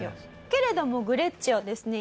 けれどもグレッチはですね